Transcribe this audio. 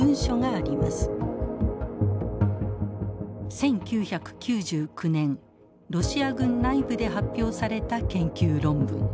１９９９年ロシア軍内部で発表された研究論文。